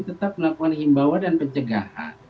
tetap melakukan himbauan dan pencegahan